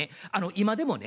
今でもね